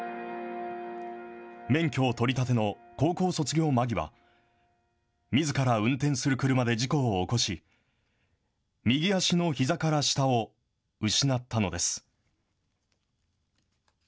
免許を取りたての高校卒業間際、みずから運転する車で事故を起こし、右足のひざから下を失ったのです。